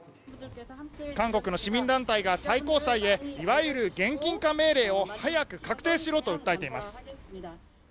韓国の市民団体が最高裁へ、いわゆる現金化命令を早く確定しろと訴えています。